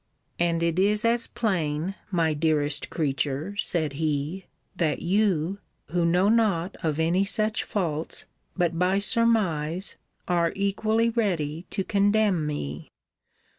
And it is as plain, my dearest creature, said he, that you, who know not of any such faults, but by surmise, are equally ready to condemn me.